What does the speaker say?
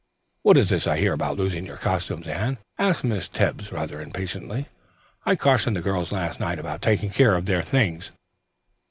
"What is this I hear about losing your costumes, Anne?" asked Miss Tebbs rather impatiently. "I cautioned the girls last night about taking care of their things."